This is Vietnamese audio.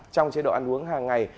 trong chế độ ăn uống hàng ngày